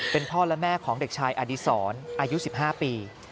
เป็นพ่อและแม่ของเด็กชายอดีศรอายุ๑๕ปี